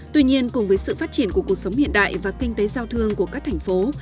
tuy nhiên cùng với sự phát triển của cuộc sống hiện đại và kinh tế giao thương của các thành phố